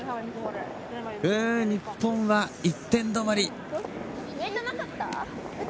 日本は１点止まり。